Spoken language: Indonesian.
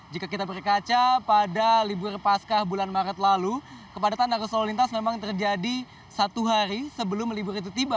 jika kita berkaca pada libur pascah bulan maret lalu kepadatan arus lalu lintas memang terjadi satu hari sebelum libur itu tiba